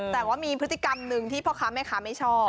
แต่ว่ามีพฤติกรรมหนึ่งที่พ่อค้าแม่ค้าไม่ชอบ